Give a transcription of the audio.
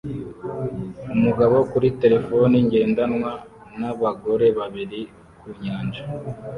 Umugabo kuri terefone ngendanwa n'abagore babiri ku nyanja